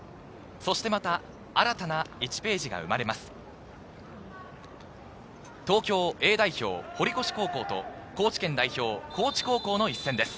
そしてまた新たな１ページが生まれます。